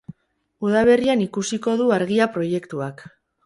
Udaberrian ikusiko du argia proiektuak.